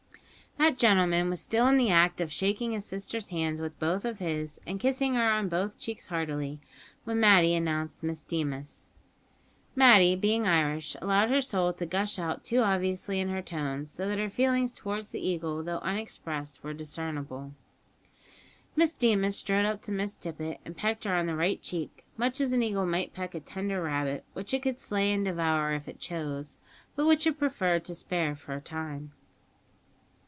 That gentleman was still in the act of shaking his sister's hands with both of his, and kissing her on both cheeks heartily, when Matty announced Miss Deemas. Matty, being Irish, allowed her soul to gush out too obviously in her tones; so that her feelings towards the Eagle, though unexpressed, were discernible. Miss Deemas strode up to Miss Tippet, and pecked her on the right cheek, much as an eagle might peck a tender rabbit, which it could slay and devour if it chose, but which it preferred to spare for a time.